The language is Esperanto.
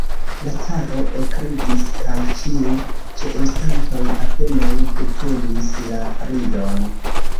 La caro ekridis, kaj ĉiuj ĉeestantoj apenaŭ detenis la ridon.